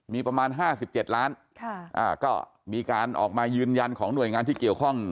มีประมาณห้าสิบเจ็ดล้านค่ะอ่าก็มีการออกมายืนยันของหน่วยงานที่เกี่ยวข้อง